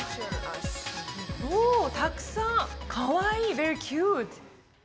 おおたくさんかわいいベリーキュート！